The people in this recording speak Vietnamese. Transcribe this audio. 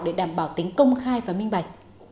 để đảm bảo tính công khai và minh bạch